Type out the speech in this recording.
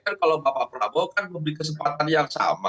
kan kalau bapak prabowo kan memberi kesempatan yang sama